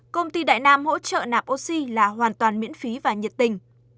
công ty đại nam hỗ trợ nạp oxy là hoàn toàn miễn phí và nhiệt tình